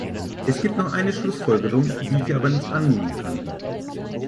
Es gibt noch eine Schlussfolgerung, die ich aber nicht annehmen kann.